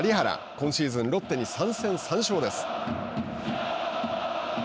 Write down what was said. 今シーズンロッテに３戦３勝です。